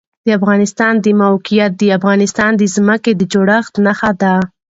د افغانستان د موقعیت د افغانستان د ځمکې د جوړښت نښه ده.